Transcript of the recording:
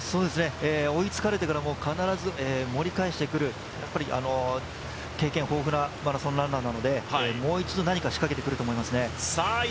追いつかれてからも必ず盛り返してくるやっぱり経験豊富なマラソンランナーなのでもう一度何か仕掛けてくると思いますね。